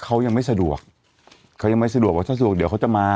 เขายังไม่สะดวกเขายังไม่สะดวกว่าถ้าสะดวกเดี๋ยวเขาจะมา